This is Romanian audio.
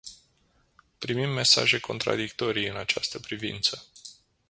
Primim mesaje contradictorii în această privință.